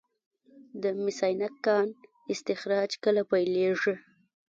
د مس عینک کان استخراج کله پیلیږي؟